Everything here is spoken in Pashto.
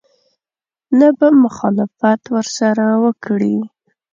نه به مخالفت ورسره وکړي.